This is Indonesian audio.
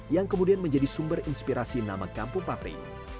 yang kemudian menjadi sumber inspirasi nama kampung papri